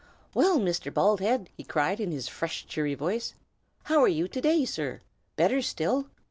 "Well, Mr. Baldhead!" he cried in his fresh, cheery voice, "how are you to day, sir? Better still?